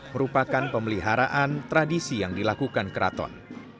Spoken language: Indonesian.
merupakan pemeliharaan tradisi yang dilakukan keraton